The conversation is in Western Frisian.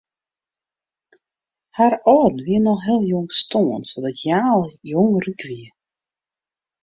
Har âlden wiene al heel jong stoarn sadat hja al jong ryk wie.